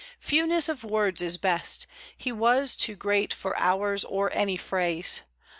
Fewness of words is best; he was too great For ours or any phrase.